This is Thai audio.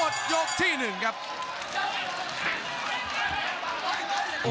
คมทุกลูกจริงครับโอ้โห